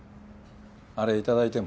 あれ頂いても？